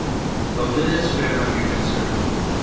But with this we are not here concerned.